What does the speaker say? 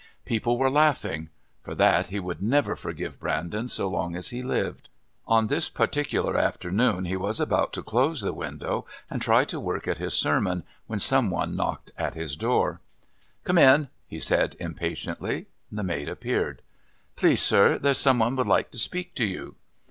People were laughing...for that he would never forgive Brandon so long as he lived. On this particular afternoon he was about to close the window and try to work at his sermon when some one knocked at his door. "Come in," he said impatiently. The maid appeared. "Please, sir, there's some one would like to speak to you."